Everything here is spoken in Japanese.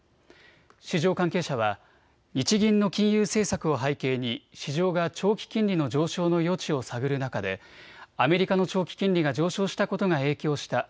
市場関係者は日銀の金融政策を背景に市場が長期金利の上昇の余地を探る中でアメリカの長期金利が上昇したことが影響した。